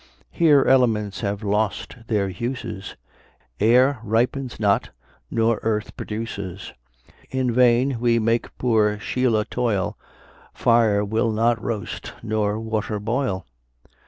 Here elements have lost their uses, Air ripens not, nor earth produces: In vain we make poor Shelah toil, Fire will not roast, nor water boil.